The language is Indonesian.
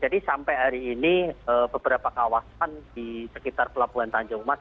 jadi sampai hari ini beberapa kawasan di sekitar pelabuhan tanjung mas